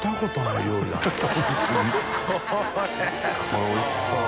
これおいしそう。